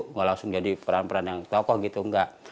nggak langsung jadi peran peran yang tokoh gitu